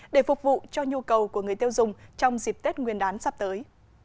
để phục vụ cho nhu cầu của người tiêu dùng trong dịp tết nguyên đán sắp tới